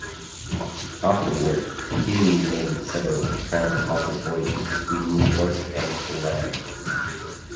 Afterward, "Kearny" made several trans-Atlantic voyages between New York and Oran.